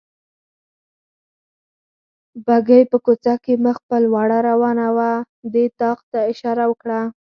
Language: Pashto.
بګۍ په کوڅه کې مخ په لوړه روانه وه، دې طاق ته اشاره وکړل.